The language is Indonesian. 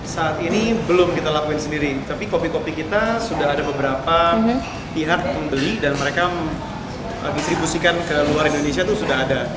saat ini belum kita lakuin sendiri tapi kopi kopi kita sudah ada beberapa pihak membeli dan mereka distribusikan ke luar indonesia itu sudah ada